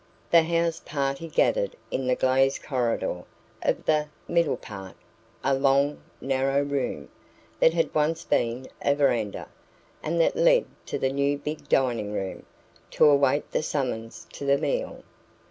The house party gathered in the glazed corridor of the "middle part" a long, narrow room, that had once been a verandah, and that led to the new big dining room to await the summons to the meal.